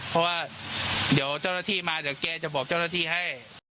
เพราะว่าเดี๋ยวเจ้าหน้าที่มาเดี๋ยวแกจะบอกเจ้าหน้าที่ให้